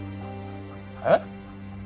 えっ？